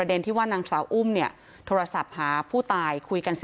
ด้วย